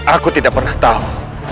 aku tidak pernah tahu